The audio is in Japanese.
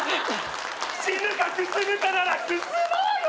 死ぬかくすむかならくすもうよ。